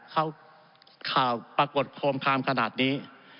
ข่าวปรากฏโคมคามขนาดนี้